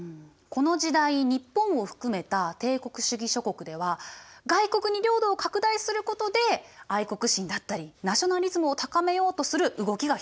この時代日本を含めた帝国主義諸国では外国に領土を拡大することで愛国心だったりナショナリズムを高めようとする動きが広がっていったの。